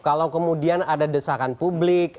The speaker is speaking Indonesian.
kalau kemudian ada desakan publik